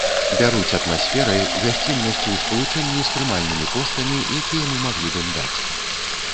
Бяруць атмасферай, гасціннасцю ў спалучэнні з прымальнымі коштамі, якія мы маглі б ім даць.